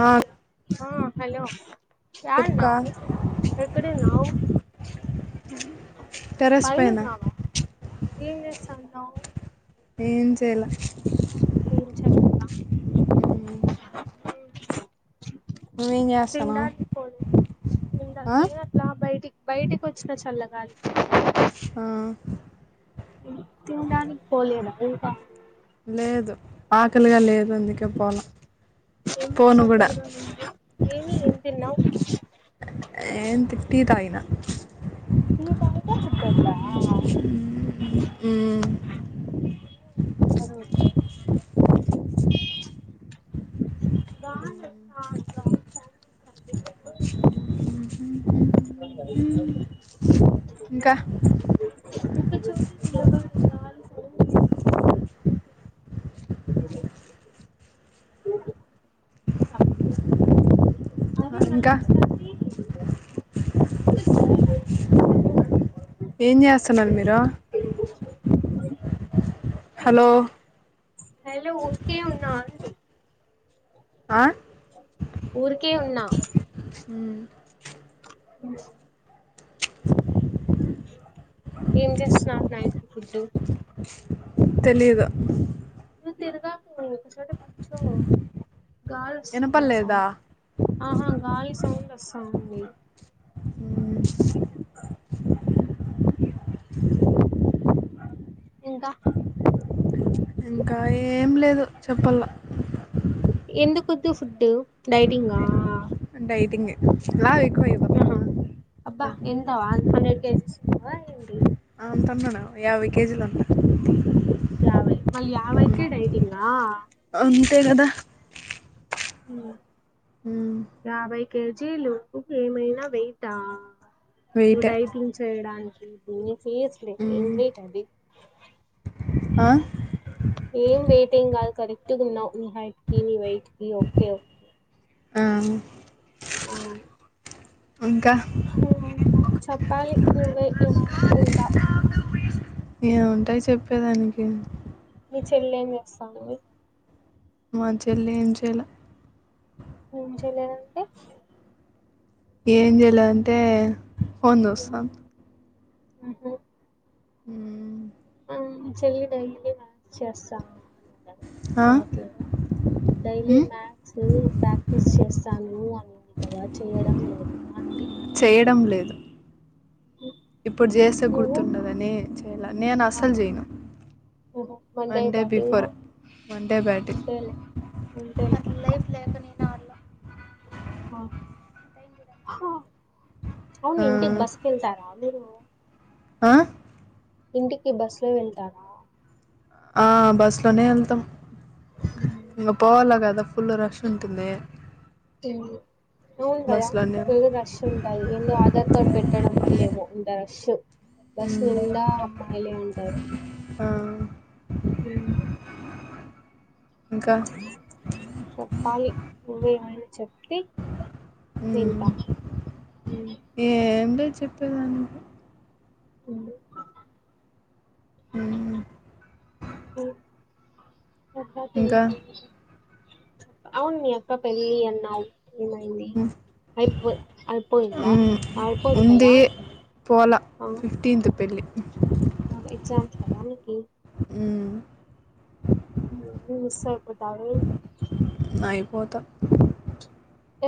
ఆ ఆ హలో చెప్పుకా యాడున్నావ్ ఎక్కడున్నావ్ టెర్రస్ పైన పైనున్నావా ఏం జేస్తన్నావ్ ఏం చేయాల ఏ చేయలేదా నువ్వేం [unintelligible] చేస్తానవ్ ఆ అట్లా బయటి బైటికొచ్చిన చల్లగాలికి ఆ తిండానికి పోలేదా ఇంకా లేదు ఆకలిగా లే వందికే పోను ఎందుకు పోనుగూడ. ఆకలిగా ఉంది ఏమి ఏం తిన్నావ్ ఏం తీ టీ దాగినా ఈ పని చేస్తుం డుద్దా మ్మ్ ఏ ఇండి కొచ్చారు [unintelligible] రాను స్టార్ట్ గాలే ఫోను హ్మ్ ఇంకా ఆ ఇంకా ఏం చేస్సన్నారు మీరు హలో హలో ఉకే వున్నా అండి హా ఊరికే ఉన్నా హ్మ్ హ్ మ్ ఏం జేస్సునావ్ నైట్ కి ఫుడ్డు తెలియదు నువ్ తిరుగాకు వో ఒకచోట చో గాల్స్ వినపడలేదా సౌండ్ ఆహా గాలి సౌండ్ వస్సంది. హ్మ్ ఇంకా ఇంకా యేం లేదు చెప్పల్ల వద్దు ఫుడ్ డైటింగా డైటింగే లావై ఆహా అబ్బా ఎంతా హండ్రెడ్ కేజీస్ వు వా ఏంటి ఆ అంతుండను యాభై కేజీలు ఉంట యావై మళ్ళ యావైతే యితంగ్ అంతే కదా ఉ హ కేజీలు ఏమైనా వెయిటా నువ్వు వెయిటే డైటింగ్ చేయడానికి ఇ తీస్లే మ్మ్ ఇలీట్ అది ఆ ఏం వెయిటింగ్ కాల్ కరి ఓ [unintelligible] అ ఆ చెప్పాలి నువ్వే ఏమైనా ఉంటె ఇంట ఏ ఉంటాయి చెప్పేదానికి ని చెల్లె ఎం చేస్తంది మా చెల్లి ఏం చేయాల ఏం చేయలేదంటే ఏం జలో అంటే "ఉమ్, హుందస్తన్ ఆ హ చెల్లి డైలీ చేస్తాం ఆ యలే డైలీ మ్మ్ మ్యాథస్ ప్రాక్టీస్ చేస్తాను. కదా చేయడం లేద చేయడం లేదు ఇప్పుడు చేస్తే నువ్వు గుర్తుండదని చె నేను ఆహా అసలు చేయను. ఓహో మండే వన్ డే బ్యాటింగా బిఫోర్ వడే బె టింగ్ అంతేలే అట్లే ఏమి లేదు. ఓ అవును ఇంటికి బస్కెళ్తారా అరు ఆ ఇంటికి బస్ లో వెళ్తారా ఆ బస్ లోనే వెళ్తాం. ఇంకా పోవాల కాదా ఫుల్ రష్ ఉంటుంది. అవును కదా బస్సులోనే ఫుల్ రష్ ఉంటది. ఎందొ ఆధార్ కార్డ్ పెట్టడం వల్ల ఏమో ఉంటాది. స్ బస్ మ్మ్ నిండా అమ్మాయిలే ఉంటారు ఆ ఇంకా చెప్పాలి నువ్వేమైనా చెప్తే హ్మ్. వింటా అంటే చెప్పేదాను అ అ అ ఇంకా అవును అక్క పెళ్ళి అన్నా ఏమైంది హ్మ్. అయిపో అయిపోయిందా హ్మ్. అయిపోదు కదా ఉంది పోలా ఫిఫ్టీన్త్ పెళ్ళి. ఎగ్జామ్స్ పనికి అ స బతవ అయిపోతా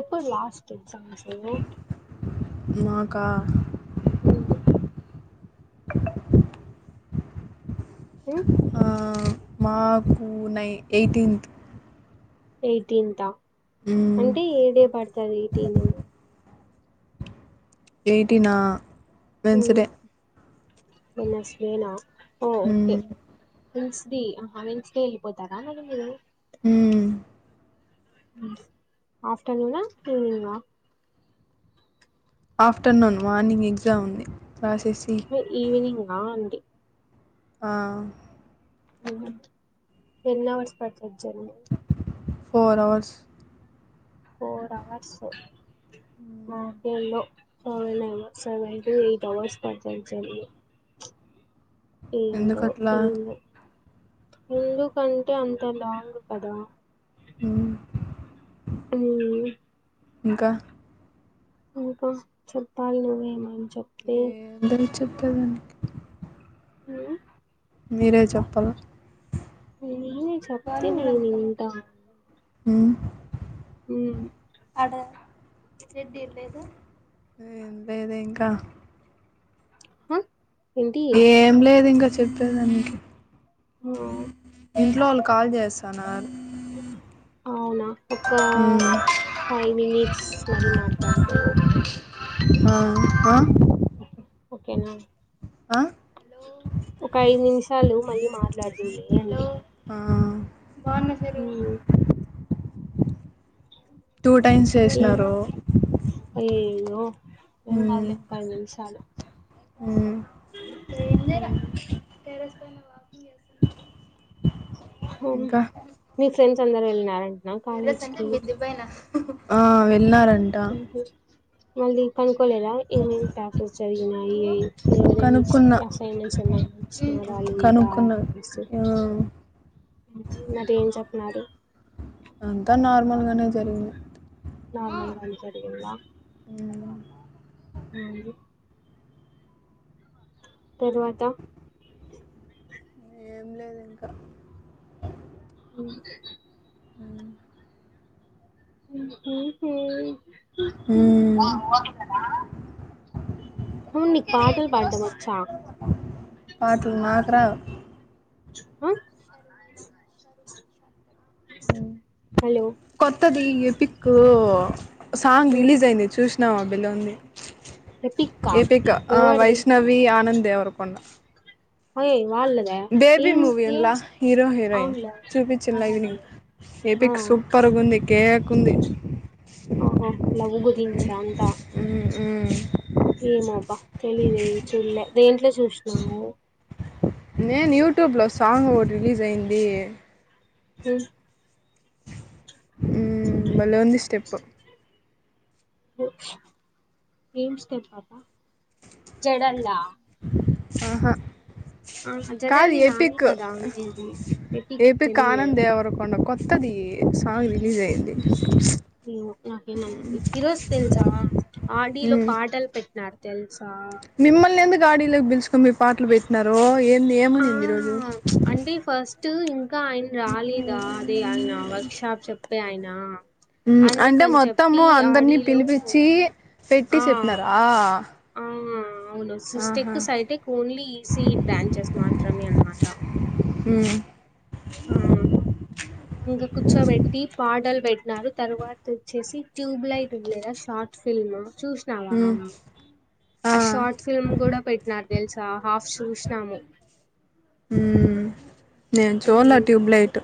ఎప్పుడు లాస్ట్ సమస్త నాకా అ హ మాకు నై ఎయిటీన్త్ ఎయిటీన్ంతా హ్మ్. అంటే ఏదే పడుతంది ఈటీని ఎయిటీ నా స్వేనాఓఓకేా హ్మ్. పోతరా మ మీరు అ ఆఫటర్నూనా ఈవనింగ్ ఆఫ్టర్నూన్ మార్నింగ్ ఎగ్జామ్ ఉంది రాసేసి ఈవినింగ్లా అండి ఆ ఎన్ అవర్స్ పడుతు journey four hours four hours నా హ్మ్. ఫోలో seven hours seven to eight hours పద్దం జరింది ఏడు ఎందుకట్లా? ఏడు ఎ క అంత లాంగ్ కదా అ అ ఇంకా ఇంకా చెప్పాలి నువ్వే ఏమైన యే అంతరిచ్ తను లో మీరే చెప్పల నేన్నేం చెప్తే నేను వింటాను మ్మ్ మ్మ్ అద్యే రెడ్డి ఇర్లేదు మ్మ్ లేదే ఇంకా హ ఏంటి ఏం లేదు ఇంకా చెప్పేయిదానికి [unintelligible] ఇంట్లో వాళ్ళు కాల్ చేస్థాన్నార్ ఆ అవ్నా ఒక ఉమ్ ఫైవ్ మినిట్స్ మరి మాట్లాడతా ఆ ఆ ఓ ఓకేనా ఆ ఒక ఐదు నిమిషాలు మళ్ళీ మాట్లాడుతుంది అండి ఆ బావున్నా సరు ఉమ్, టూ టైమ్స్ ఇం- చేసినారు [unintelligible] ఏం కాదులే పదినిమిషాలు హ్మ్ ఏం చేయాలా ఉమ్, టెర్రస్ [unintelligible] వాకింగ్ చేస్తన్నా మీ ఫ్రెండ్స్ అందర్ ఎల్లినార టెర్రస్ అంటే మిద్దిపైన ఆ వెల్నారా ఏం చేస్ మళ్ళీ పన్ కోలేదా ఏమేమి క్లాసస్ జరిగినాయి ఎయిత్ ఎవ కనుక్కున్నా అసైన్మెంట్స్ ఏమన్నా ఇచ్చినారా లేదా కనుక్కున్నా ఆ మరి ఏం చెప్పనారు అంతా నార్మల్గానే జరిగింది నార్మల్ గానే జరిగిందా ఉమ్ అవును తరువాత ఏం లేదు ఇంకా ఊమ్ ఊహ్మ్ ఊమ్ ఊమ్ అవును నీకు పాటలు పాడడం వచ్చా పాటలు నాక్ రావ్ హ కొత్తది ఈ పిక్కు ఆ సాంగ్ రిలీజ్ అయింది చూసినవ బిలోంది ఎపిక్కా ఏపీక్ ఆ ఎవరిది వైష్ణవి ఆనంద్ దేవరకొండ అయ్ వాళ్ళదా బేబీ ఏం ఏం మూవీన్లా హీరో హీరోయిన్ అవునులే చూపించిన్ల ఈవినింగ్ అవునులే ఆ ఏపీక్ సూపర్గుంది కేకుంది ఒహో లవుగురించ అంతా ఏమబ్బా తెలిదేది చూళ్లే దేంట్లో చూసినావు నేను యూట్యూబ్లో సాంగ్ ఓటి రిలీజ్ అయింది ఉహ్ ఊమ్ బలోంది స్టెప్ ఏమ్స్ స్టెప్ పాప జడలా ఆహా ఆ కాదు జడల్ని నాని ఎపిక్ కదా అది ఎపిక్ తెలిదే తది ఏమో నాకేమనిపియ్ ఈరోజు తెలుసా ఆడిలో పాటలు పెట్టినర్ తెల్ మిమల్నిందు గాడలోకి పిలుచకొ మీ పాటలు పెట్టినన్నారు ఏ ఆ అండి ఫస్ట్ తు ఇంకా ఆయన రాలేదా అదే ఆయన వర్క్ షాప్ చెప్ ే అయనా అంటే మొత్తము అందరినీ ఆడిలో పిలిపించి పెట్టి ఆ చెప్పినారా ఆ అవును ఆహా సిస్టెక్ సైటెక్ ఓన్లీ ఈసీ బ్రాంచెస్ మాత్రమే అనమాట అ ఆ ఇంగ కుచ వెటి పా ఆోటల్ పెట్టినారు తర్వాత వచ్చేసి ట్యూబ్లైట్ ఉండదా షార్ట్ ఫిల్మ్ చూసినవా మ్మ్ ఆ షార్ట్ ఫిల్మ్ కూడా పెట్టిన తెలుసా హాఫ్ చూసినాము హ నేను చూడల ట్యూబ్లైట్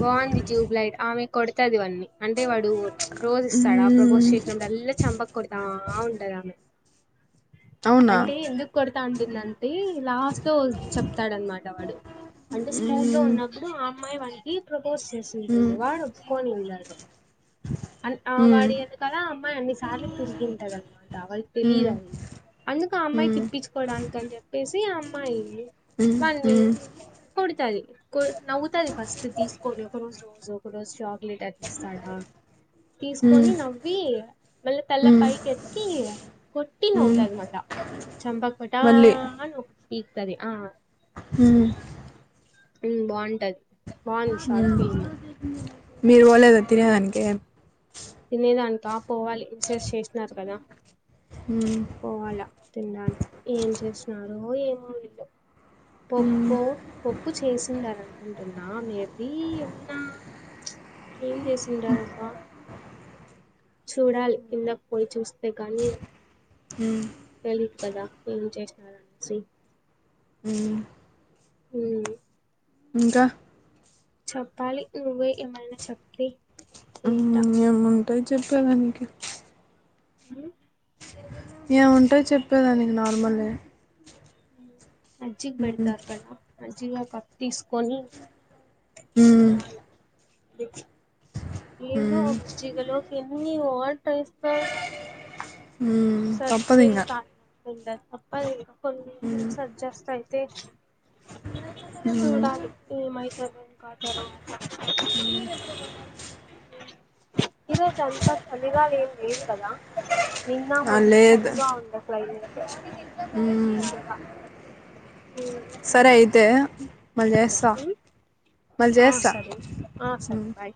బంది ట్యూబ్లాైట్ ఆమె కొడతదివన్నీ అంటే వాడు రోజు ఇస్తాడు ఆ ప్రపోజ్ మ్మ్ చేసినప్పుడు అల్ చంపక కొడతా ఉంటదామె అవునా అంటే ఎందుకు కొడతా ఉంటుందంటే లాస్ట్ లో చెప్తాడనమాట వాడు అంటే స్కూల్లో మ్మ్ ఉన్నప్పుడు మయవ ఈ ప్ర కోర్స్ చేసింట మ్మ్ వాడు ఒప్పుకొని వెళ్ళడు అ ఆ వాడ మ్మ్ ఏది కదా ఆ అమ్మాయి అన్ని సార్లు తిరిగింటాడు అనమాట వాళ్ళ తెలియదు మ్మ్ అది అందుకు ఆ అమ్మాయి మ్మ్ తిప్పించుకోవడానినికిని చెప్పేసి అమ్ ప మ్మ్ మళ్ళీ మ్మ్ కుడతది కు నవ్వుతది ఫస్ట్ కొనే కొ రోజో కొన జాబ్ లీటర్ తీ ఇస్తాడా మ్మ్ తీసుకొని నవ్వి మళ్ళీ తెల్ల మ్మ్ పైకి ఎత్తి కొట్టి మ్మ్ నవ్వుతాది మళ్ళా చంపకుడా నవ్వు పీతది ఆ హ బాగుంటది బాగుంది షార్ట్ మ్మ్ ఫిల్మ్ మీరు పోలేదా తినేదాననికి కా పోవాలి విషెస్ చేసినా కదా మ్మ్ పోవాల తినడానికి ఏం చేస్తున్నారు ఏం అ ఉమ్ పప్పు పప్పు చేసిండారం టందమ్ ఎబ ఎన్నా ఏం చేసింటారబ్బా చూడాలి కిందకి పోయి చూస్త అ కానీ హ తెలీదు కదా ఏం చేసినార అనేసి అ హ ఇంకా చెప్పాలి నువ్వే ఏమైనా చెప్తే వింటా ఏముంటాయి చెప్పేదానికి ఏముంటాయ చెప్పేదానికి నార్మలే అ మజ్జిగ ఉమ్ పెడ్తారు కదా మజ్జిగ మిగా కట్ తీసుకొని ఉమ్ ఉమ్ [unintelligible] ైస్త ఉమ్ తప్పదు సజనిల్ ఇంగ క [inaudible] కొ ఉమ్ సజ్జాస్తాయి తే ఉమ్ చూడాల ఏ మైత ంకా ఇ ఈరోజు అంత చలిగా ఏం లేదు కదా నిన్నా ఆ మోన్నా లేదు చలిగా ఉండే క్లైమేట్ ఉమ్ సరే అయితే మలేసా ఆ సరే ఆ సరే బాయ్